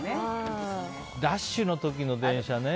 ラッシュの時の電車ね。